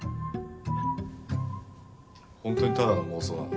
本当にただの妄想なの？